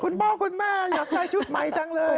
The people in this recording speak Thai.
คุณพ่อคุณแม่อยากใช้ชุดใหม่จังเลย